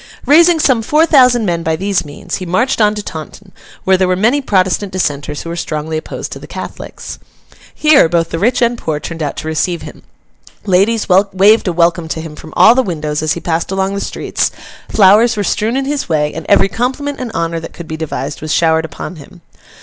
Raising some four thousand men by these means, he marched on to Taunton, where there were many Protestant dissenters who were strongly opposed to the Catholics. Here, both the rich and poor turned out to receive him, ladies waved a welcome to him from all the windows as he passed along the streets, flowers were strewn in his way, and every compliment and honour that could be devised was showered upon him.